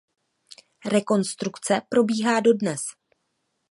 Rekonstrukce probíhá dodnes.